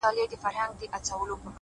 نیکي خاموشه خو تلپاتې اغېز لري’